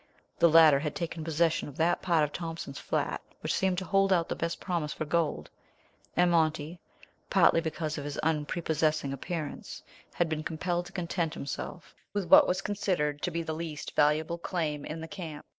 The latter had taken possession of that part of Thompson's Flat which seemed to hold out the best promise for gold, and Monty, partly because of his unprepossessing appearance, had been compelled to content himself with what was considered to be the least valuable claim in the camp.